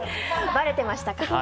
ばれてましたか。